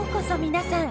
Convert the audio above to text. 皆さん。